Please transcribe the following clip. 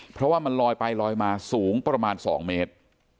เพราะว่ามันลอยไปลอยมาสูงประมาณ๒เมตร